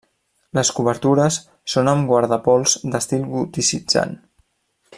Les cobertures són amb guardapols d'estil goticitzant.